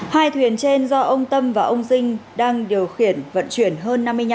hai thuyền trên do ông tâm và ông dinh đang điều khiển vận chuyển hơn năm mươi năm